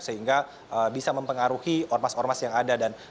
sehingga bisa mempengaruhi ormas ormas yang ada